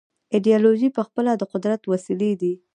ایدیالوژۍ پخپله د قدرت وسیلې دي.